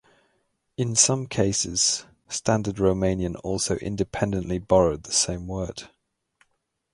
In some cases, standard Romanian also independently borrowed the same word.